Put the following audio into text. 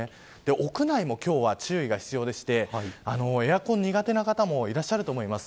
屋内も今日は注意が必要でしてエアコンが苦手な方もいらっしゃると思います。